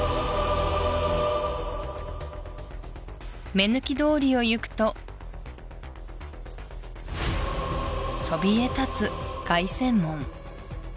目抜き通りを行くとそびえ立つ凱旋門